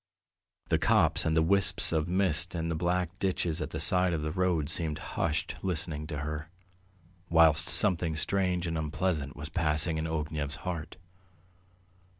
The copse and the wisps of mist and the black ditches at the side of the road seemed hushed listening to her, whilst something strange and unpleasant was passing in Ognev's heart.